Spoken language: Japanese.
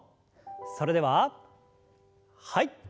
それでははい。